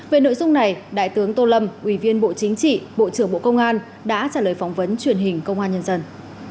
về nội dung này đại tướng tô lâm ủy viên bộ chính trị bộ trưởng bộ công an đã trả lời phỏng vấn truyền hình công an nhân dân